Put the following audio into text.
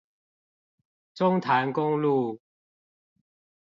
中潭公路